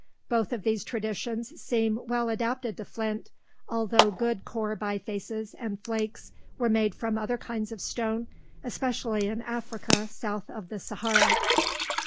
Both of these traditions seem well adapted to flint, although good core bifaces and flakes were made from other kinds of stone, especially in Africa south of the Sahara.